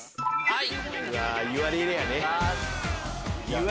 はい。